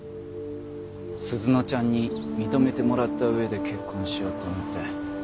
鈴乃ちゃんに認めてもらった上で結婚しようと思って。